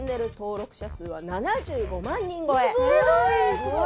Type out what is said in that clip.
すごい！